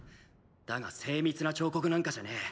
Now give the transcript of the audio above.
だが精密な彫刻なんかじゃねえ。